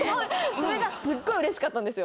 それがすっごい嬉しかったんですよ。